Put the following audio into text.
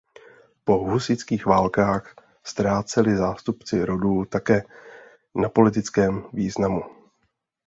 Po husitských válkách ztráceli zástupci rodu také na politickém významu.